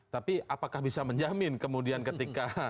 tapi apakah bisa menjamin kemudian ketika